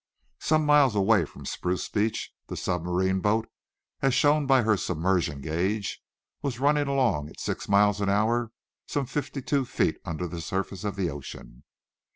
Some miles away from Spruce Beach the submarine boat, as shown by her submersion gauge, was running along at six miles an hour some fifty two feet under the surface of the ocean.